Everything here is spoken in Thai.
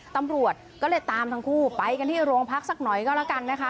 ตำรวจก็เลยตามทั้งคู่ไปกันที่โรงพักสักหน่อยก็แล้วกันนะคะ